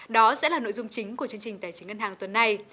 đó sẽ là nội dung chính của chương trình tài chính ngân hàng tuần này